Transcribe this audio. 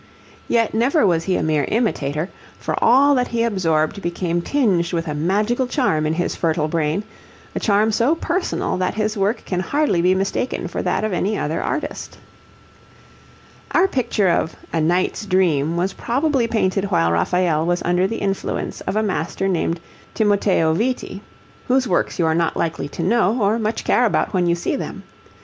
Yet never was he a mere imitator, for all that he absorbed became tinged with a magical charm in his fertile brain, a charm so personal that his work can hardly be mistaken for that of any other artist. Our picture of a 'Knight's Dream' was probably painted while Raphael was under the influence of a master named Timoteo Viti, whose works you are not likely to know, or much care about when you see them.